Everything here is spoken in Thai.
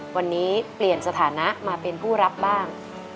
วันนี้เปลี่ยนสถานะมาเป็นผู้รับบ้าง